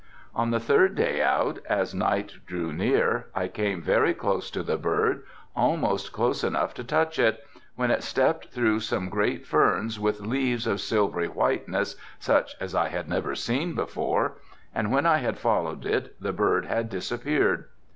On the third day out, as night drew near, I came very close to the bird, almost close enough to touch it, when it stepped through some great ferns with leaves of silvery whiteness, such as I had never seen before, and when I had followed it the bird had disappeared.